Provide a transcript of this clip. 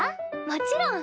もちろん！